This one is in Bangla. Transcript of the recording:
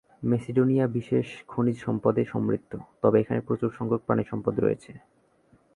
মেসিডোনিয়া বিশেষত খনিজ সম্পদে সমৃদ্ধ, তবে এখানে প্রচুর সংখ্যক প্রাণিসম্পদ রয়েছে।